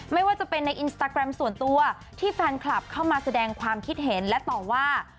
ไม่ว่าจะเป็นในอินสตาแกรมส่วนตัวที่แฟนคลับเข้ามาแสดงความคิดเห็นและต่อว่า